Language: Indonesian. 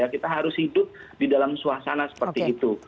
kita harus hidup di dalam suasana seperti itu